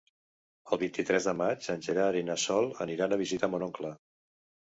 El vint-i-tres de maig en Gerard i na Sol aniran a visitar mon oncle.